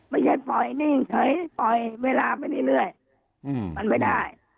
ปล่อยนิ่งเฉยปล่อยเวลาไปเรื่อยมันไม่ได้